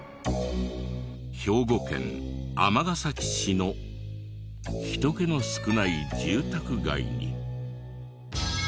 兵庫県尼崎市の人けの少ない住宅街に。